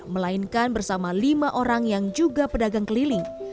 melainkan bersama lima orang yang juga pedagang keliling